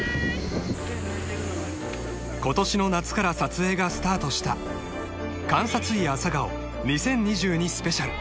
［今年の夏から撮影がスタートした『監察医朝顔２０２２スペシャル』］